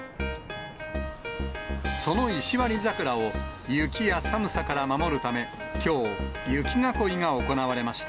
その石割桜を、雪や寒さから守るため、きょう、雪囲いが行われました。